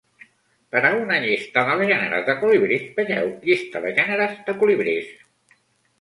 Per a una llista dels gèneres de colibrís, vegeu "llista de gèneres de colibrís".